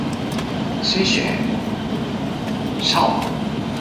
喺模糊信息或者無明確答案嘅情況下，提供極具說服力嘅答案